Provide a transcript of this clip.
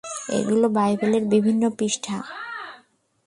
এগুলো বাইবেলের বিভিন্ন পৃষ্ঠা।